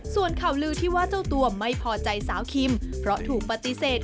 ส่วนข่าวลือที่ว่าเจ้าตัวไม่พอใจสาวคิมเพราะถูกปฏิเสธ